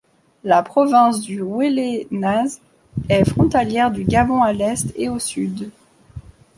La province du Wele-Nzas est frontalière du Gabon à l'Est et au Sud.